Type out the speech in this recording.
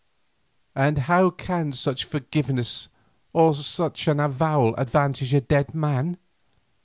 "And how can such forgiveness or such an avowal advantage a dead man?"